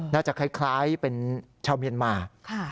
น่าจะคล้ายเป็นชาวเมียนมา